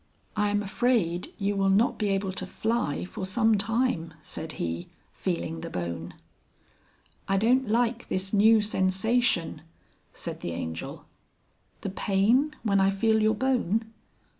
"I'm afraid you will not be able to fly for some time," said he, feeling the bone. "I don't like this new sensation," said the Angel. "The Pain when I feel your bone?"